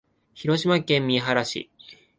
広島県三原市